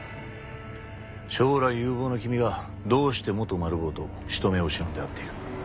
将来有望な君がどうして元マル暴と人目を忍んで会っている？